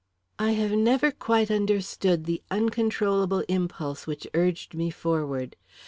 I have never quite understood the uncontrollable impulse which urged me forward.